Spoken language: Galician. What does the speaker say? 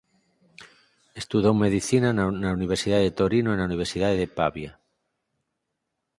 Estudou medicina na Universidade de Torino e na Universidade de Pavia.